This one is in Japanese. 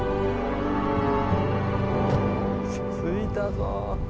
着いたぞ。